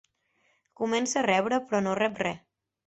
Comença a rebre però no rep re.